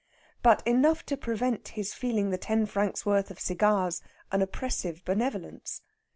But enough to prevent his feeling the ten francs' worth of cigars an oppressive benevolence.